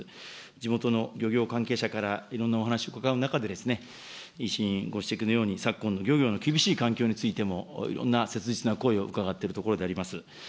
地元の漁業関係者からいろんなお話伺う中で、委員ご指摘のように、昨今の漁業の厳しい環境についても、いろんな切実な声を伺っているところであります。